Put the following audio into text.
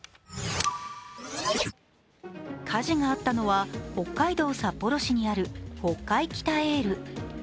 火事があったのは北海道札幌市にある北海きたえーる。